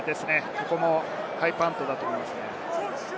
ここもハイパントだと思います。